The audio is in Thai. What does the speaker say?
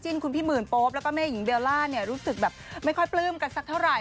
คุณพี่หมื่นโป๊ปแล้วก็แม่หญิงเบลล่าเนี่ยรู้สึกแบบไม่ค่อยปลื้มกันสักเท่าไหร